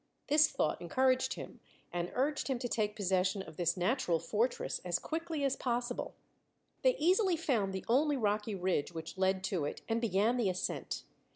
This thought encouraged him and urged him to take possession of this natural fortress as quickly as possible. They easily found the only rocky ridge which led to it and began the ascent.